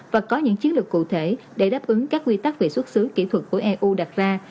và có những chiến lược cụ thể để đáp ứng các quy tắc về xuất xứ kỹ thuật của doanh nghiệp